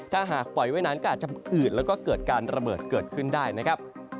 ถ้าหากปล่อยไว้นั้นก็อาจจะอืดแล้วก็เกิดการระเบิดเกิดขึ้นได้นะครับ